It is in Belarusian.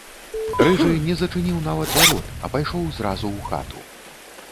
Рыжы не зачыніў нават варот, а пайшоў зразу ў хату.